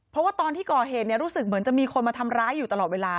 เพราะว่าตอนที่ก่อเหตุรู้สึกเหมือนจะมีคนมาทำร้ายอยู่ตลอดเวลา